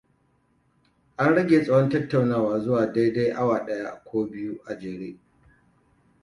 A rage tsawon tattaunawa zuwa dai awa daya ko biyu a jere.